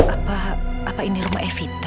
apa ini rumah evita